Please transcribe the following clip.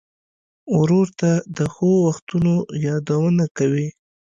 ورور ته د ښو وختونو یادونه کوې.